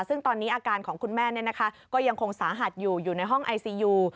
ซึ่งตอนนี้อาการของคุณแม่ก็ยังคงสาหัสอยู่อยู่ในห้องไอซียู